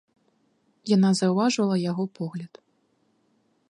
Яна заўважыла яго погляд.